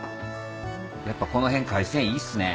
やっぱこの辺海鮮いいっすね。